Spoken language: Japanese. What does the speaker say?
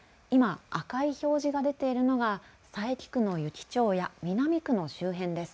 今、赤い表示が出ているのが佐伯区の湯来町や南区の周辺です。